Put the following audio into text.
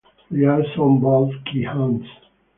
There are some bald key hunts.